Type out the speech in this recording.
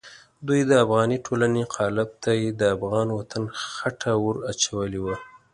دوی د افغاني ټولنې قالب ته یې د افغان وطن خټه ور اچولې وه.